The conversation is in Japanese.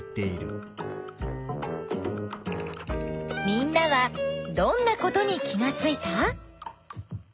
みんなはどんなことに気がついた？